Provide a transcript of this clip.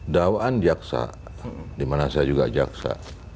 dawaan jaksa di mana saya juga jaksa